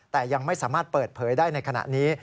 แต่ยังไม่สามารถเปิดเผยได้ในขณะนี้